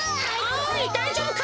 おいだいじょうぶか？